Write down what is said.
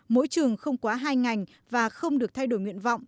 mỗi trường không quá hai ngành và không được thay đổi nguyện vọng